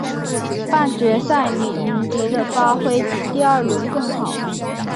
半决赛李云迪的发挥比第二轮更好。